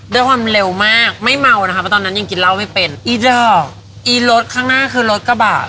แต่แล้วเขาก็งงหลังเพิ่งรู้ว่า